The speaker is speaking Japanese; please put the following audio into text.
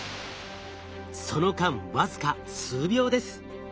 その間わずか数秒です。